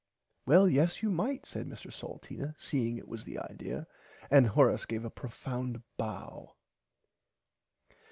Well yes you might said Mr Salteena seeing it was the idear and Horace gave a profound bow.